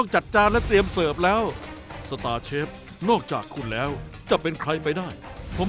ในตัวสตาร์เชฟจะมีใครมีความสามารถพอที่จะสั่นคลอนตำแหน่งกับผมได้เลยครับ